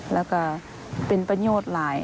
แล้วก็เป็นประโยชน์หลาย